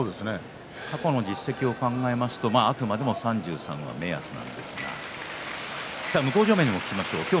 過去の実績を考えますとあくまでも３３は目安なんですが向正面にも聞きましょう。